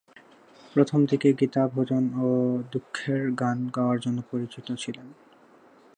প্রথম দিকে গীতা ভজন এবং দুঃখের গান গাওয়ার জন্য পরিচিত ছিলেন।